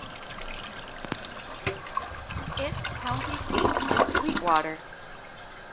Its county seat is Sweetwater.